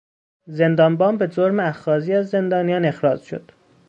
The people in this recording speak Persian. زندانبان به جرم اخاذی از زندانیان اخراج شد.